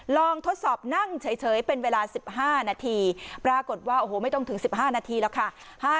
ทดสอบนั่งเฉยเป็นเวลา๑๕นาทีปรากฏว่าโอ้โหไม่ต้องถึง๑๕นาทีแล้วค่ะ